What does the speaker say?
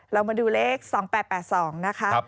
เรามาดูเลข๒๘๘๒นะคะ